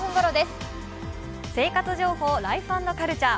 生活情報、「ライフ＆カルチャー」。